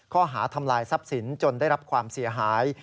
ข้อหาทำลายทรัพย์สินจนได้รับความเสียหาย